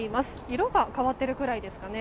色が変わっているくらいですかね。